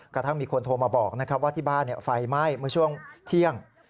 กระทั่งมีคนโทรมาบอกว่าที่บ้านไฟไหม้เมื่อช่วงเที่ยง